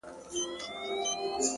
پرمختګ له کوچنیو اصلاحاتو جوړېږي.